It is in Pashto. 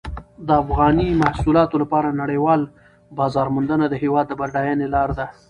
د افغاني محصولاتو لپاره نړیوال بازار موندنه د هېواد د بډاینې لاره ده.